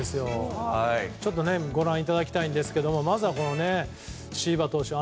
ちょっとご覧いただきたいんですがまずは、椎葉投手